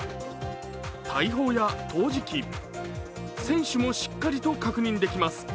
大砲や陶磁器、船首もしっかりと確認できます。